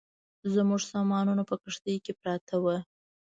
زموږ سامانونه په کښتۍ کې پراته ول.